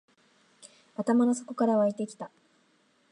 頭の底から湧いてきた